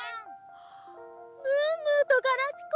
あムームーとガラピコ！